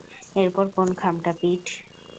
এরপর কোন খামটা, পিট?